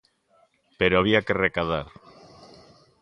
Pero había que recadar.